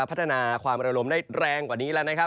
พัฒนาความระลมได้แรงกว่านี้แล้วนะครับ